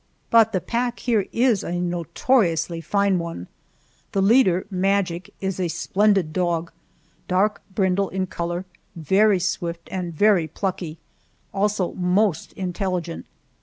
But the pack here is a notoriously fine one. The leader. Magic, is a splendid dog, dark brindle in color, very swift and very plucky, also most intelligent.